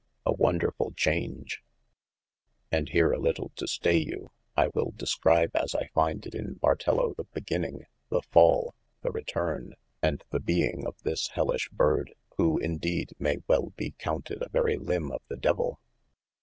A wonderfull chaunge : and here a little to staye you, I will discribe as I finde it in Bartello the beginning, the fall, the retourne, and the being of this hellish byrde, who in deede maye well bee counted a very lymbe of the Divill.